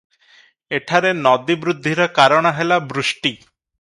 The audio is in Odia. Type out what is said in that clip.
ଏଠାରେ ନଦୀ ବୃଦ୍ଧିର କାରଣ ହେଲା ବୃଷ୍ଟି ।